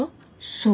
そう。